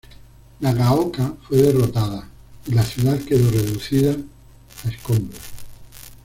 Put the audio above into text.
Nagaoka fue derrotada y la ciudad quedó reducida a escombros.